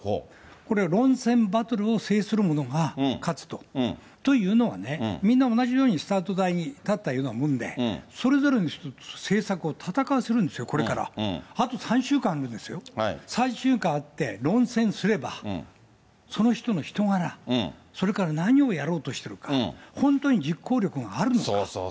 これ、論戦バトルを制する者が勝つと。というのはね、みんな同じようにスタート台に立ったようなもんで、それぞれの人の政策を戦わせるんですよ、これから、あと３週間でですよ、３週間あって、論戦すれば、その人の人柄、それから何をやろうとしているか、本当に実行力があるのか。